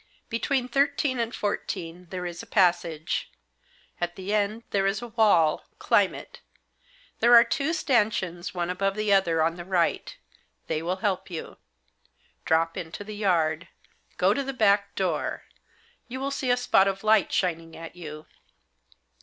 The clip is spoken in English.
Between thirteen and fourteen there is a passage. At the end there is a wall. Climb it There are two stanchions one above the other on the right. They will help you. Drop into the yard. Go to the backdoor. You will see a spot of light shining at you.